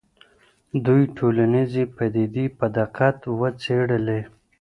دوی ټولنیزې پدیدې په دقت وڅېړلې.